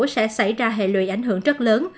sẽ xảy ra hệ lụy ảnh hưởng rất lớn